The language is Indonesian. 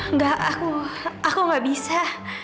enggak aku aku gak bisa